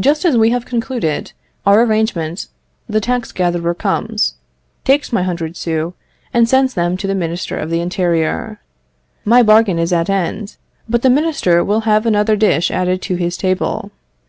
Just as we have concluded our arrangement the tax gatherer comes, takes my hundred sous, and sends them to the Minister of the Interior; my bargain is at end, but the minister will have another dish added to his table.